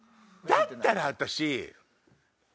だったら私。